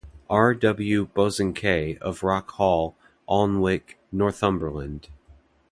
R. W. Bosanquet of Rock Hall, Alnwick, Northumberland.